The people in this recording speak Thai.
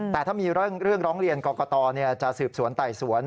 แต่ถ้ามีเรื่องร้องเรียนกรกตจะสืบสวนไต่สวน